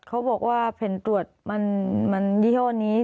เขาบอกว่าแผนตรวจมันยี่ห้อนี้